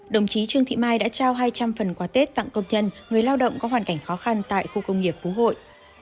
đồng chí trương thị mai đã trao hai trăm linh phần quà tết tặng công nhân người lao động có hoàn cảnh khó khăn tại khu công nghiệp phú hội